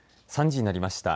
３時になりました。